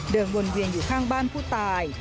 มีความรู้สึกว่า